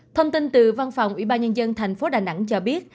thông tin từ văn phòng ủy ban nhân dân tp đà nẵng cho biết